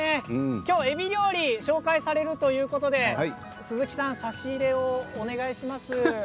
きょうは、えび料理紹介されるということで鈴木さん差し入れをお願いします。